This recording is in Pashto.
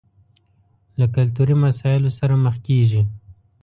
له کلتوري مسايلو سره مخ کېږي.